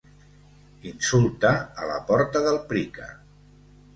Insulta a la porta del Pryca.